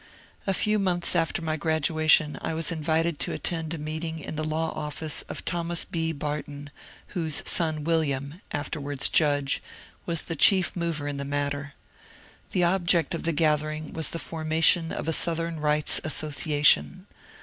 A few months after my graduation I was invited to attend a meeting in the law office of Thomas B. Barton, whose son William (afterwards judge) was the chief mover in the matter. The object of the gathering was the formation of a Southern Bights Association.